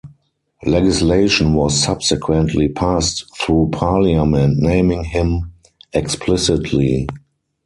Legislation was subsequently passed through parliament naming him explicitly.